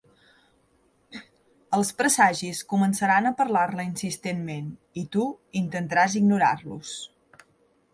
Els presagis començaran a parlar-ne insistentment, i tu intentaràs ignorar-los.